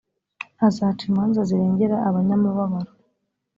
azaca imanza zirengera abanyamubabaro